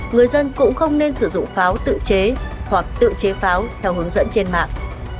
người dân cũng không nên sử dụng pháo tự chế hoặc tự chế pháo theo hướng dẫn trên mạng